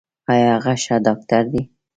ایا هغه ښه ډاکټر دی؟